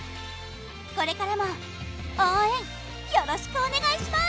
これからも応援よろしくお願いします！